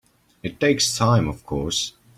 It takes time of course.